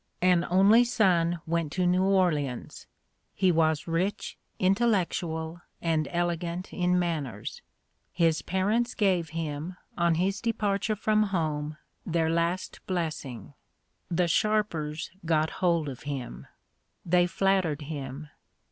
An only son went to New Orleans. He was rich, intellectual, and elegant in manners. His parents gave him, on his departure from home, their last blessing. The sharpers got hold of him. They flattered him.